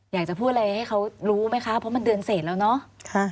อยากจะพูดอะไรให้เขารู้ไหมคะเพราะมันเดือนเสร็จแล้วเนาะ